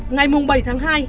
ngày bảy tháng hai